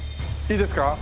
いいですか？